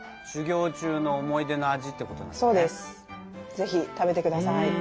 ぜひ食べてください。